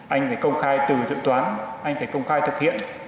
anh phải công khai từ dự toán anh phải công khai thực hiện